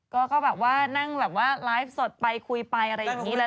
ก็แบบว่านั่งแบบว่าไลฟ์สดไปคุยไปอะไรอย่างนี้แหละ